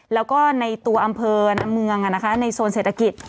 แล้วก็ในตัวอำเภอในเมืองในโซนเศรษฐกิจ